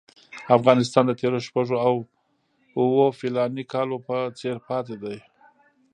افغانستان د تېرو شپږو اوو فلاني کالو په څېر پاتې دی.